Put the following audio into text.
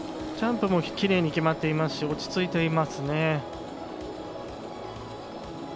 ちゃんとキレイに決まっていますし、落ち着いていますね。